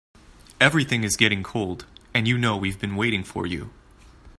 Everything's getting cold and you know we've been waiting for you.